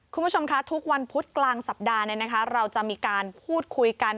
คุณผู้ชมคะทุกวันพุธกลางสัปดาห์เราจะมีการพูดคุยกัน